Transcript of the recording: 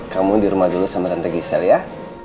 kamu di rumah dulu sama tante gisel ya